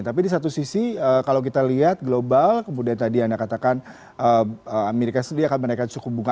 tapi di satu sisi kalau kita lihat global kemudian tadi anda katakan amerika sendiri akan menaikkan suku bunga